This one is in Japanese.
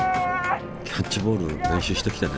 キャッチボール練習してきてね。